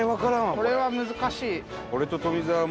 これは難しい。